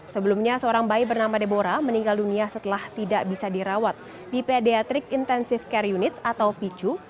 sebelumnya seorang bayi bernama debora meninggal dunia setelah tidak bisa dirawat di pedeatrik intensive care unit atau picu